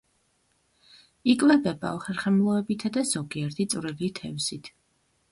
იკვებება უხერხემლოებითა და ზოგიერთი წვრილი თევზით.